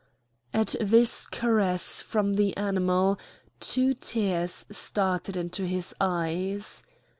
At this caress from the animal two tears started into his eyes.